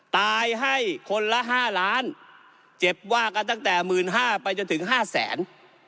ตายให้คนละห้าล้านเจ็บว่ากันตั้งแต่หมื่นห้าไปจนถึงห้าแสน